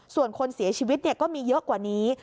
ส่วนคนเสียชีวิตก็มีเยอะกว่านี้